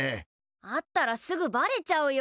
会ったらすぐばれちゃうよ。